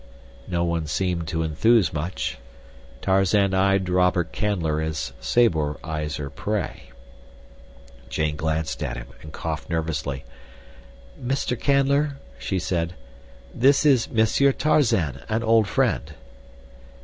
No one seemed to enthuse much. Tarzan eyed Robert Canler as Sabor eyes her prey. Jane glanced at him and coughed nervously. "Mr. Canler," she said, "this is Monsieur Tarzan, an old friend."